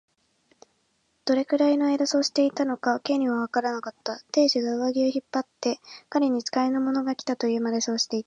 どれくらいのあいだそうしていたのか、Ｋ にはわからなかった。亭主が上衣を引っ張って、彼に使いの者がきた、というまで、そうしていた。